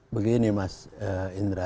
begini mas indra